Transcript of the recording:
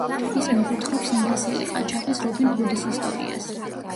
ის მოგვითხრობს ინგლისელი ყაჩაღის რობინ ჰუდის ისტორიას.